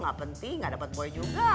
gak penting gak dapat boy juga